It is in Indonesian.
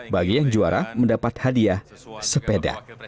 bagi yang juara mendapat hadiah sepeda